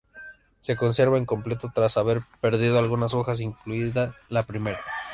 Se conserva incompleto tras haber perdido algunas hojas, incluida la primera.